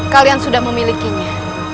kalian sudah memilikinya